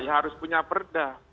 ya harus punya perda